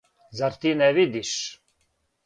Зар ти не видиш?